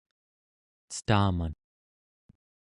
cetaman